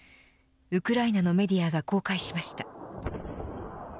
ウクライナのメディアが公開しました。